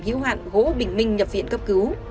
hiếu hạn gỗ bình minh nhập viện cấp cứu